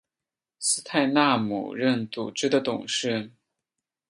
斯泰纳姆任组织的董事。